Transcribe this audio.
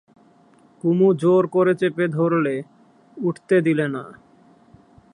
কুমু জোর করে চেপে ধরলে, উঠতে দিলে না।